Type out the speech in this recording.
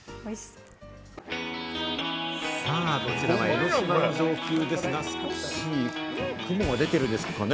こちらは江の島の上空ですが、少し雲が出てるんですかね。